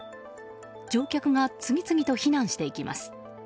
乗客が次々と避難していきます。